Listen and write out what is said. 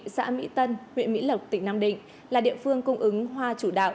xã mỹ tân huyện mỹ lộc tỉnh nam định là địa phương cung ứng hoa chủ đạo